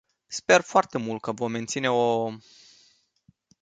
Sper foarte mult că vom menține o...